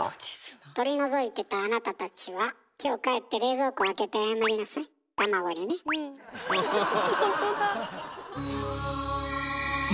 取り除いてたあなたたちは今日帰って冷蔵庫を開けてうんほんとだ。